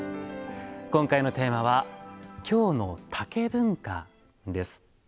今回のテーマは「京の竹文化」です。